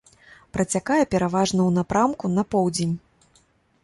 Працякае пераважна ў напрамку на поўдзень.